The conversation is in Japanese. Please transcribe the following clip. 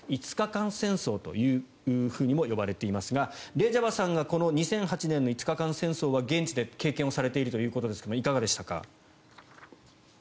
５日間戦争というふうにも呼ばれていますがレジャバさんがこの２００８年の５日間戦争は現地で経験をされているということですがいかがですか。